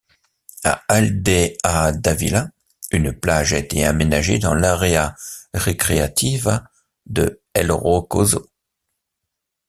À Aldeadávila, une plage a été aménagée dans l'Área Recreativa de El Rocoso.